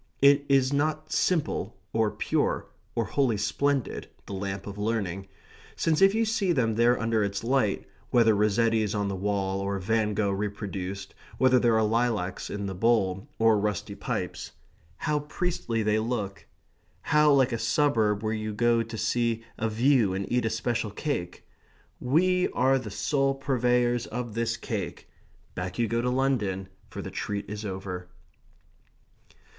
It is not simple, or pure, or wholly splendid, the lamp of learning, since if you see them there under its light (whether Rossetti's on the wall, or Van Gogh reproduced, whether there are lilacs in the bowl or rusty pipes), how priestly they look! How like a suburb where you go to see a view and eat a special cake! "We are the sole purveyors of this cake." Back you go to London; for the treat is over.